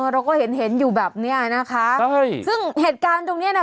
เราก็เห็นเห็นอยู่แบบเนี้ยนะคะใช่ซึ่งเหตุการณ์ตรงเนี้ยน่ะ